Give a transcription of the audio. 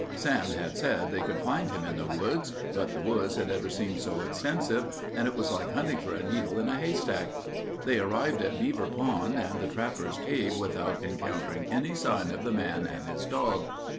Sam had said they could find him in the woods, but the woods had never seemed so extensive and it was like hunting for a needle in a haystack. They arrived at Beaver Pond and the Trapper's Cave without encountering any sign of the man and his dog.